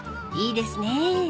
［いいですね。